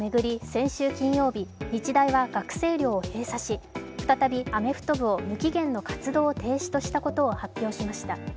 先週金曜日、日大は学生寮を閉鎖し再びアメフト部を無期限の活動停止としたことを発表しました。